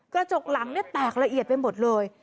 กระจกหลังเนี่ยแตกละเอียดไปหมดเลย